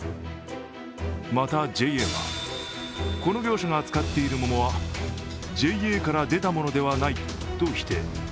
またＪＡは、この業者が扱っている桃はＪＡから出たものではないと否定。